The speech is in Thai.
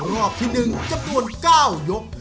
รอบที่๑จำนวน๙ยก